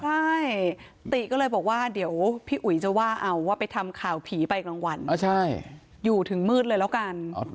ใช่ติก็เลยบอกว่าเดี๋ยวพี่อุ๋ยจะว่าเอาว่าไปทำข่าวผีไปกลางวันอยู่ถึงมืดเลยแล้วกัน